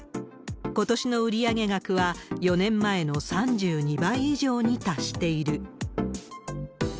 ことしの売り上げ額は、４年前の３２倍以上に達している。